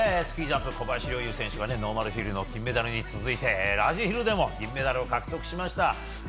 スキージャンプ、小林陵侑選手が、ノーマルヒルの金メダルに続いて、ラージヒルでも銀メダルを獲得しました。